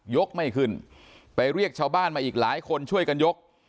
กไม่ขึ้นไปเรียกชาวบ้านมาอีกหลายคนช่วยกันยก